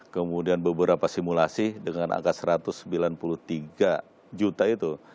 kemudian beberapa simulasi dengan angka satu ratus sembilan puluh tiga juta itu